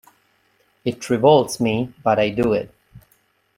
It revolts me, but I do it.